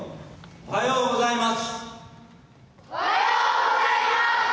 おはようございます。